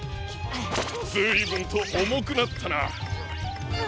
ずいぶんとおもくなったな。